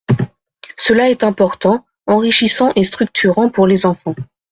Cela est important, enrichissant et structurant pour les enfants.